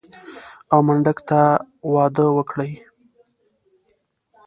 او منډک ته واده وکړي.